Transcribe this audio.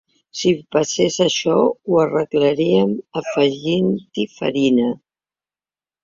Si passés això, ho arreglaríem afegint-hi farina.